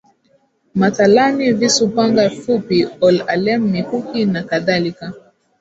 Mathalani visu panga fupi ol alem mikuki nakadhalika